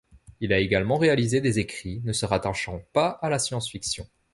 Il a également réalisé des écrits ne se rattachant pas à la science-fiction.